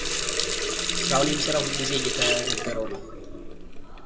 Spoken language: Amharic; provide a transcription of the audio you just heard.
ስራውን የሚሰራው ሁልጊዜ እየተነገረው ነበር፡፡